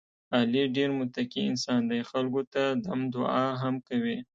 علي ډېر متقی انسان دی، خلکو ته دم دعا هم کوي.